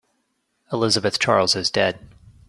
Elizabeth Charles is dead.